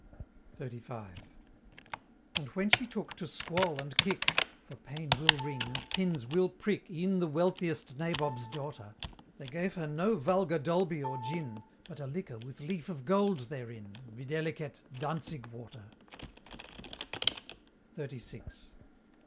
XXXV. And when she took to squall and kick For pain will wring, and pins will prick, E'en the wealthiest nabob's daughter They gave her no vulgar Dalby or gin, But a liquor with leaf of gold therein, Videlicet, Dantzic Water. XXXVI.